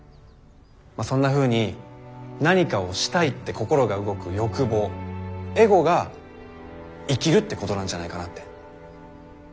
まあそんなふうに何かをしたいって心が動く欲望エゴが生きるってことなんじゃないかなって。